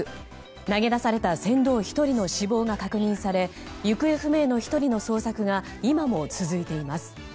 投げ出された船頭１人の死亡が確認され行方不明の１人の捜索が今も続いています。